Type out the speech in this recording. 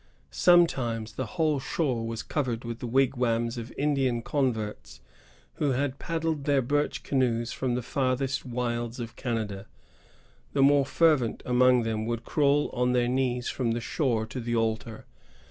Sometimes the whole shore was covered with the wigwams of Indian converts who had paddled their birch canoes from the farthest wilds of Canada. The more fervent among them would crawl on their knees from the shore to the altar.